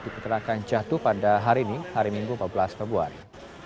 diprediksi akan jatuh pada hari minggu empat belas februari